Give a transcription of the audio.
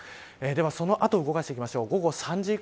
ではその後、動かしていきましょう。